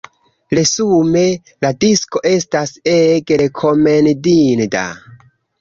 Resume: la disko estas ege rekomendinda!